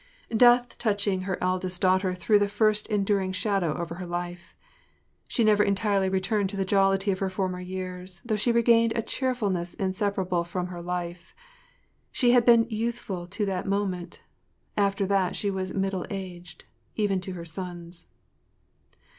Death touching her eldest daughter threw the first enduring shadow over her life. She never entirely returned to the jollity of her former years, though she regained a cheerfulness inseparable from her life. She had been youthful to that moment; after that she was middle aged—even to her sons.